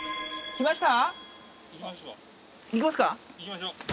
行きましょう。